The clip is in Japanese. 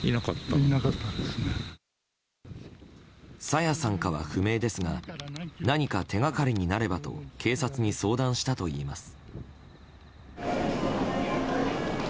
朝芽さんかは不明ですが何か手掛かりになればと警察に相談したといいます。